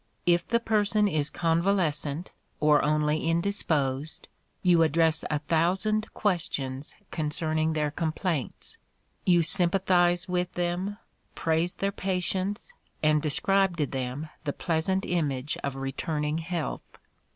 If the person is convalescent or only indisposed, you address a thousand questions concerning their complaints; you sympathize with them, praise their patience, and describe to them the pleasant image of returning health.